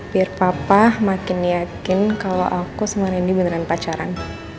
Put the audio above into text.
biar papa makin yakin kalau aku samarini beneran pacaran